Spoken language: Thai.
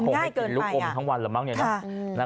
มันง่ายเกินไปอ่ะ